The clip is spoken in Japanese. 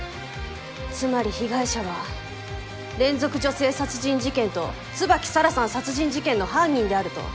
つまり被害者は連続女性殺人事件と椿沙良さん殺人事件の犯人であると？